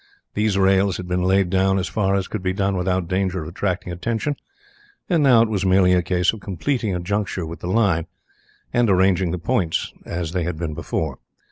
These rails had been laid down as far as could be done without danger of attracting attention, and now it was merely a case of completing a juncture with the line, and arranging the points as they had been before.